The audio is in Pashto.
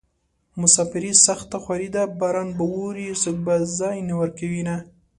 مساپري سخته خواري ده باران به اوري څوک به ځای نه ورکوينه